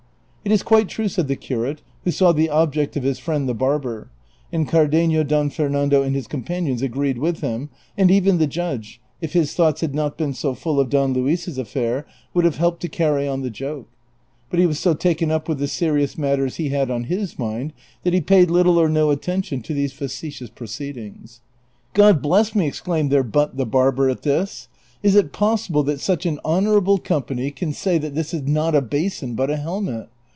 " It is quite true," said the curate, who saw the object of his friend the barber ; and Cardenio, Don Fernando and his com panions agreed with him, and even the judge, if his thoughts had not been so full of Don Luis's aifair, would have helped to carry on the joke ; but he was so taken up with the serious matters he had on his mind that hei paid little or no attention to these facetious proceedings. " God bless me !" exclaimed their butt the barber at this ;" is it possible that such an honorable company can say that CHAPTER XLV. 385 this is not a basin but a helmet